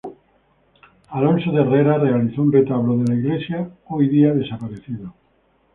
Alonso de Herrera realizó un retablo de la iglesia, hoy día desaparecido.